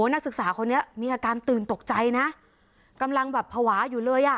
นักศึกษาคนนี้มีอาการตื่นตกใจนะกำลังแบบภาวะอยู่เลยอ่ะ